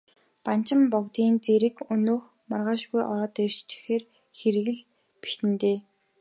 Банчин богдын цэрэг өнөө маргаашгүй ороод ирэхээр хэрэг ч бишиднэ дээ, бишиднэ.